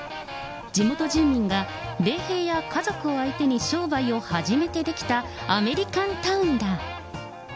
地元住民が、米兵や家族を相手に商売を始めて出来たアメリカンタウンだ。